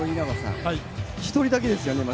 １人だけですよ、今。